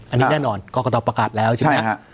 อันนี้แน่นอนกรกตประกาศแล้วใช่ไหม